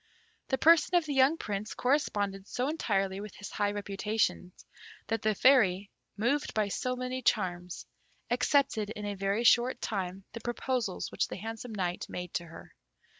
The person of the young Prince corresponded so entirely with his high reputation, that the Fairy, moved by so many charms, accepted in a very short time the proposals which the handsome Knight made to her.